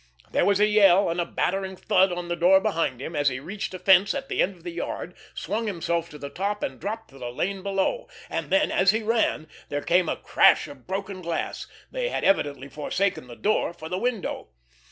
There was a yell, and a battering thud on the door behind him, as he reached a fence at the end of the yard, swung himself to the top and dropped to the lane beyond. And then, as he ran, there came a crash of broken glass. They had evidently forsaken the door for the window!